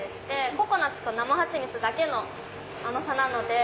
ココナツと生蜂蜜だけの甘さなので。